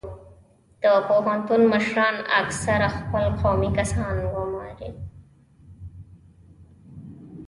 د پوهنتون مشران اکثرا خپل قومي کسان ګماري